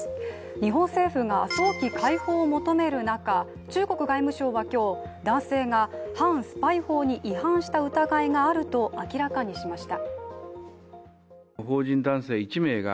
日本政府が早期解放を求める中、中国外務省は今日、男性が反スパイ法に違反した疑いがあると明らかにしました。